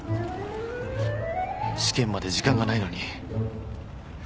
試験まで時間がないのに